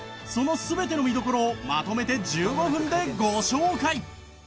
その全ての見どころをまとめて１５分でご紹介！